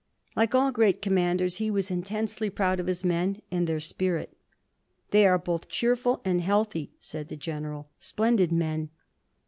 Like all great commanders, he was intensely proud of his men and their spirit. "They are both cheerful and healthy," said the general; "splendid men.